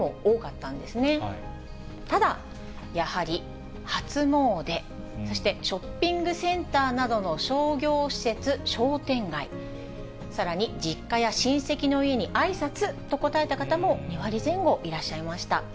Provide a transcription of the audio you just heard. ただ、やはり初詣、そしてショッピングセンターなどの商業施設、商店街、さらに実家や親戚の家にあいさつと答えた方も２割前後いらっしゃいました。